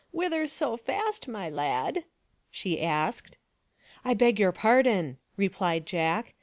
" Whither so fast, my lad ?" she asked. " I beg your pardon," replied Jack.